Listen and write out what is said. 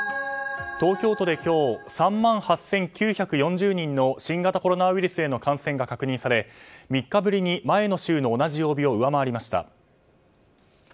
東京都で今日３万８９４０人の新型コロナウイルスへの感染が確認され３日ぶりに前の週の同じ曜日を上回りました。